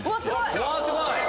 うわっすごい！